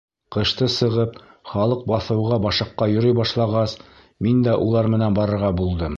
Ҡышты сығып, халыҡ баҫыуға башаҡҡа йөрөй башлағас, мин дә улар менән барырға булдым.